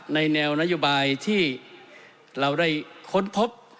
ในแนวนโยบายที่เราได้ค้นพบ